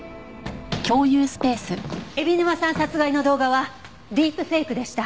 海老沼さん殺害の動画はディープフェイクでした。